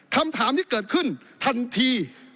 คำถามที่เกิดขึ้นทันที